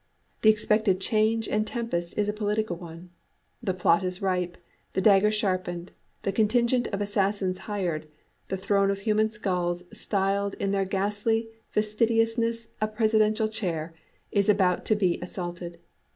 The expected change and tempest is a political one. The plot is ripe, the daggers sharpened, the contingent of assassins hired, the throne of human skulls, styled in their ghastly facetiousness a Presidential Chair, is about to be assaulted.